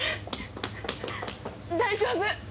大丈夫？